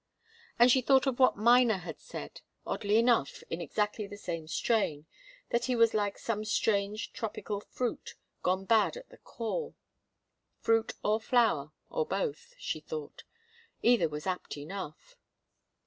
And she thought of what Miner had said oddly enough, in exactly the same strain, that he was like some strange tropical fruit gone bad at the core. Fruit or flower, or both, she thought. Either was apt enough.